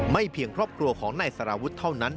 เพียงครอบครัวของนายสารวุฒิเท่านั้น